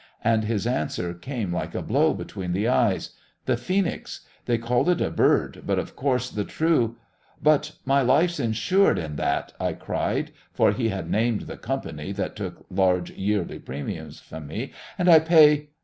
And his answer came like a blow between the eyes: "The Phoenix. They called it a bird, but, of course, the true ..." "But my life's insured in that," I cried, for he had named the company that took large yearly premiums from me; "and I pay